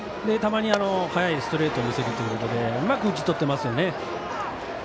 たまに速いストレートを見せるということでうまく打ち取っていますね。